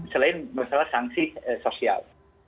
selain masalah sanksi sosial